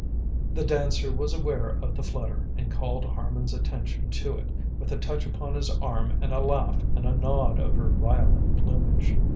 The dancer was aware of the flutter, and called Harman's attention to it with a touch upon his arm and a laugh and a nod of her violent plumage.